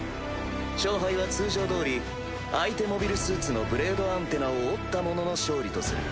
勝敗は通常どおり相手モビルスーツのブレードアンテナを折った者の勝利とする。